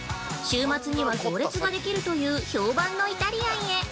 週末には行列ができるという評判のイタリアンへ！